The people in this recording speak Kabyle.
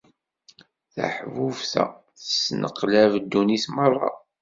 Taḥbubt-a tesneqlab ddunit merra.